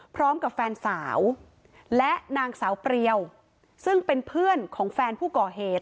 พร้อมกับแฟนสาวและนางสาวเปรียวซึ่งเป็นเพื่อนของแฟนผู้ก่อเหตุ